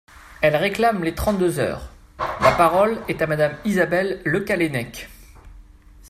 Elle réclame les trente-deux heures ! La parole est à Madame Isabelle Le Callennec.